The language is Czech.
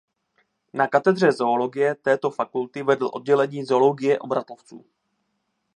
Na katedře zoologie této fakulty vedl oddělení zoologie obratlovců.